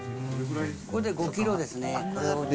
これで５キロですね。